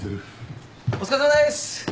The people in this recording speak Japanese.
お疲れさまです。